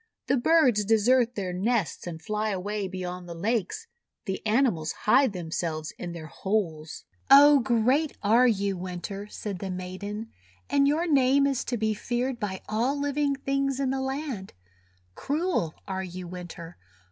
The birds desert their nests and fly away beyond the lakes. The animals hide themselves in their holes." "Oh! great are you, Winter," said the maiden, "and your name is to be feared by all living things in the land! Cruel are you, Winter!